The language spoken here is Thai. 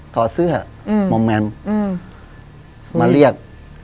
ต่อเสื้อมมแมนมาเรียก